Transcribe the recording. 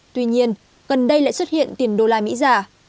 tuy nhiên gần đây lại xuất hiện tiền đô la mỹ giả